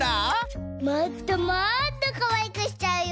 もっともっとかわいくしちゃうよ！